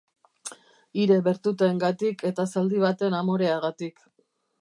Hire bertuteengatik eta zaldi baten amoreagatik.